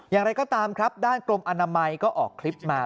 อย่างไรก็ตามครับด้านกรมอนามัยก็ออกคลิปมา